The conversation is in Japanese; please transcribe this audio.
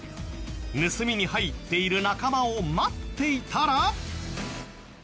盗みに入っている仲間を待っていたら。